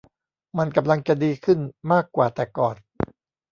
มันกำลังจะดีขึ้นมากกว่าแต่ก่อน